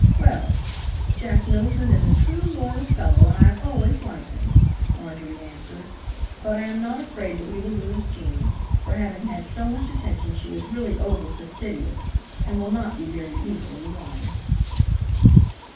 "Well! Jack Middleton is a true, loyal fellow, and I have always liked him," Marjorie answered; "but I am not afraid that we will lose Gene, for having had so much attention she is really over fastidious, and will not be very easily won."